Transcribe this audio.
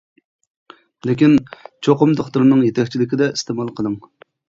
لېكىن چوقۇم دوختۇرنىڭ يېتەكچىلىكىدە ئىستېمال قىلىڭ!